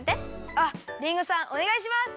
あっリンゴさんおねがいします！